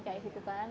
kayak gitu kan